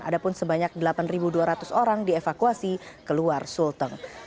adapun sebanyak delapan dua ratus orang dievakuasi keluar sulteng